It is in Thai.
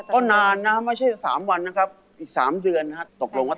เขาบ้านเขาว่าไงบ้างอยากรู้อะ